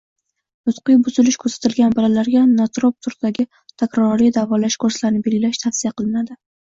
Nutqiy buzilish kuzatilgan bolalarga nootrop turdagi takroriy davolash kurslarini belgilash tavsiya qilinadi.